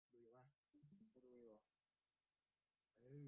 เราก็พูดได้เต็มที่